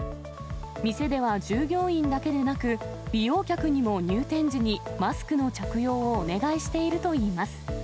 店では従業員だけでなく、利用客にも入店時にマスクの着用をお願いしているといいます。